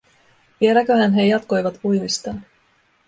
Vieläköhän he jatkoivat uimistaan?